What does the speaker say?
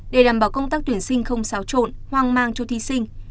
để đảm bảo công tác tuyển sinh không xáo trộn hoang mang cho thí sinh